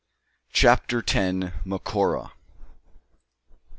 CHAPTER TEN. MACORA.